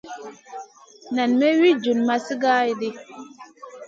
Nen may wi djuna sigara di.